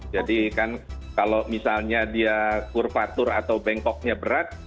jadi kan kalau misalnya dia kurvatur atau bengkoknya berat